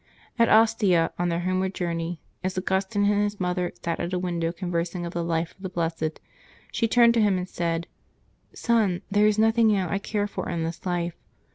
At Ostia, on their homeward journey, as Augustine and his mother sat at a window conversing of the life of the blessed, she turned to him. and said, " Son, there is notliing now I care for in this life.